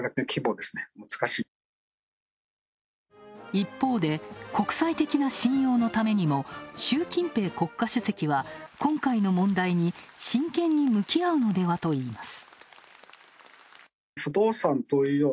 一方で、国際的な信用のためにも習近平国家主席は、今回の問題に真剣に向き合うのではといいます。